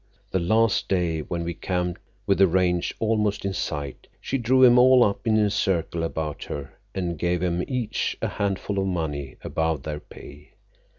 The last day, when we camped with the Range almost in sight, she drew 'em all up in a circle about her and gave 'em each a handful of money above their pay.